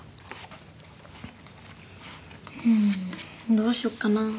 うんどうしよっかなぁ。